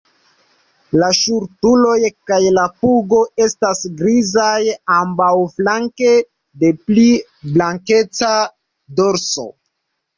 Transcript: La ŝultroj kaj la pugo estas grizaj ambaŭflanke de pli blankeca dorso.